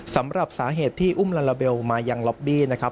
สำหรับสาเหตุที่อุ้มลาลาเบลมายังล็อบบี้นะครับ